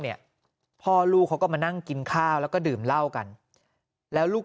เนี่ยพ่อลูกเขาก็มานั่งกินข้าวแล้วก็ดื่มเหล้ากันแล้วลูก